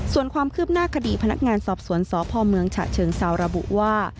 ส่วนความคืบหน้าคดีพนักงานสอบสวนสพเมืองฉะเชิงเซาระบุว่า